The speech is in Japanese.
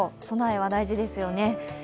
備えは大事ですよね。